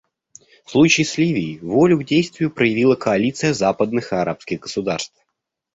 В случае с Ливией волю к действию проявила коалиция западных и арабских государств.